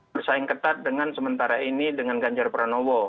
bersaing ketat dengan sementara ini dengan ganjar pranowo